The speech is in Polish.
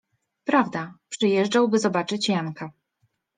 Prawda, przyjeżdżał, by zobaczyć Janka…